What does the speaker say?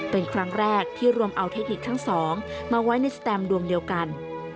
เป็นครั้งแรกที่รวมเอาเทคนิคทั้งสองมาไว้ในสแตมดวงเดียวกัน